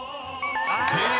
［正解。